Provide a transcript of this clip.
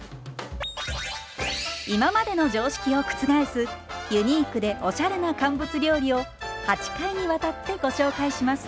今までの常識を覆すユニークでおしゃれな乾物料理を８回にわたってご紹介します。